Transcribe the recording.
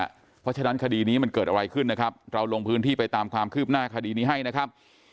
เพราะฉะนั้นคดีนี้มันเกิดอะไรขึ้นนะครับเราลงพื้นที่ไปตามความคืบหน้าคดีนี้ให้นะครับ